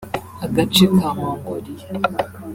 Agace ka Mongolia